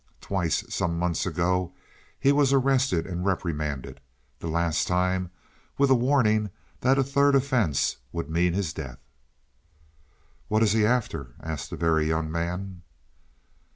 Twice, some months ago, he was arrested and reprimanded; the last time with a warning that a third offence would mean his death." "What is he after?" asked the Very Young Man.